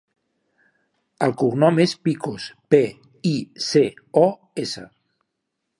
El cognom és Picos: pe, i, ce, o, essa.